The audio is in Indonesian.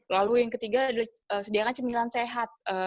lalu yang ketiga adalah sediakan cemilan sehat